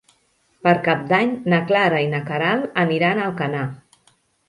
Per Cap d'Any na Clara i na Queralt aniran a Alcanar.